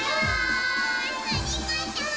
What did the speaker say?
ありがとう！